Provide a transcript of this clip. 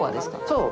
そう。